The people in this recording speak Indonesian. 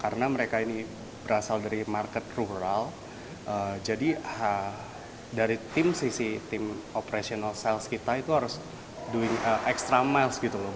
karena mereka ini berasal dari market rural jadi dari tim sisi tim operational sales kita itu harus doing extra miles gitu loh